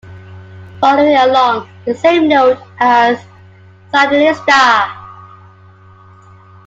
Following along the same note as Sandinista!